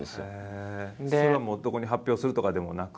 それはどこに発表するとかでもなく？